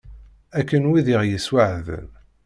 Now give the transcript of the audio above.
Akken wid i ɣ-yessweεden.